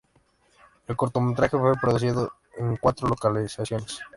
El cortometraje fue producido en cuatro localizaciones.